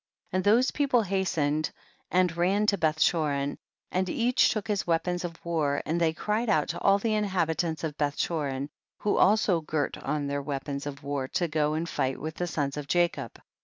55. And those people hastened and ran to Bethchorin, and each took his weapons of war, and they cried out to all the inhabitants of Beth chorin, who also girt on their wea pons of war to go and fight with the sons of Jacob.